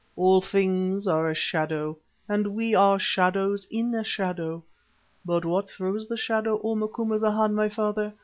All things are a shadow and we are shadows in a shadow. But what throws the shadow, O Macumazana, my father?